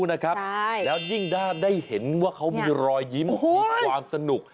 แล้วยิ่งได้เห็นว่าเขามีรอยยิ้มมีความสนุก